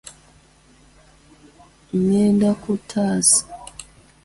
Ngenda ku taasa!